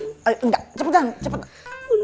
tapi nanti pukulnya pake yang lain